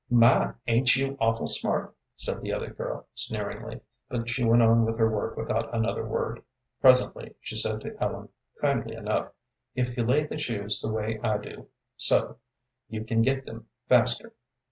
"My, ain't you awful smart," said the other girl, sneeringly, but she went on with her work without another word. Presently she said to Ellen, kindly enough: "If you lay the shoes the way I do, so, you can get them faster.